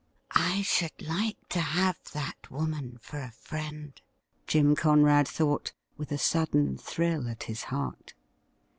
' I should like to have that woman for a friend,' Jim Conrad thought, with a sudden thrill at his heart.